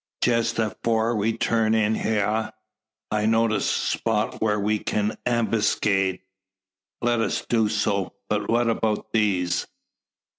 Jess afore we turned in hyar, I noticed a spot whar we kin ambuskade." "Let us do so; but what about these?"